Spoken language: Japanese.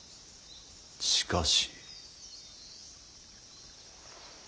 しかし。